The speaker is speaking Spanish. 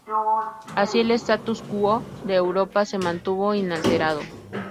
Así, el "status quo" de Europa se mantuvo inalterado.